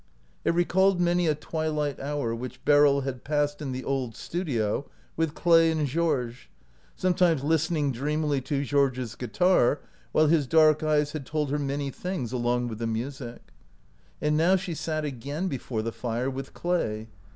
It recalled many a twilight hour which Beryl had passed in the old studio with Clay and Georges — sometimes listening dreamily to Georges' guitar, while his dark eyes had told her many things along with the music. And now she sat again before the fire with Clay.